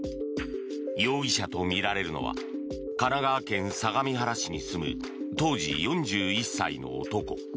容疑者とみられるのは神奈川県相模原市に住む当時４１歳の男。